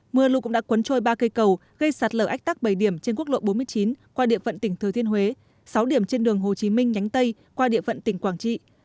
mưa lụt cũng đã cuốn trôi ba cây cầu gây sạt lở ách tắc bảy điểm trên quốc lộ bốn mươi chín qua địa phận tỉnh thừa thiên huế sáu điểm trên đường hồ chí minh nhánh tây qua địa phận tỉnh quảng trị